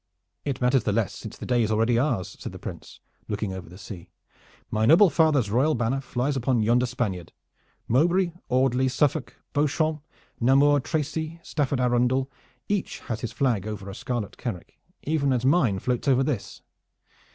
"It matters the less since the day is already ours," said the Prince, looking over the sea. "My noble father's royal banner flies upon yonder Spaniard. Mowbray, Audley, Suffolk, Beauchamp, Namur, Tracey, Stafford, Arundel, each has his flag over a scarlet carack, even as mine floats over this.